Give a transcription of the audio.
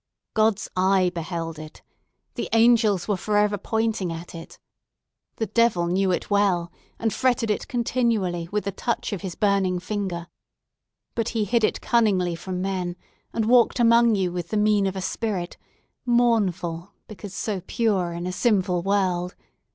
"God's eye beheld it! The angels were for ever pointing at it! (The Devil knew it well, and fretted it continually with the touch of his burning finger!) But he hid it cunningly from men, and walked among you with the mien of a spirit, mournful, because so pure in a sinful world!